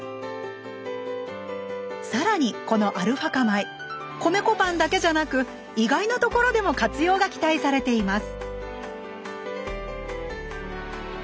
さらにこのアルファ化米米粉パンだけじゃなく意外なところでも活用が期待されています